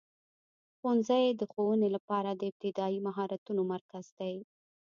ښوونځی د ښوونې لپاره د ابتدایي مهارتونو مرکز دی.